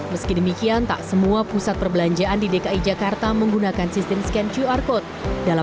meski demikian tak semua pusat perbelanjaan di dki jakarta menggunakan sistem scan qr code dalam